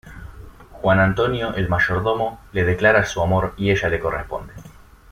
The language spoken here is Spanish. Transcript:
Juan Antonio, el mayordomo, le declara su amor y ella le corresponde.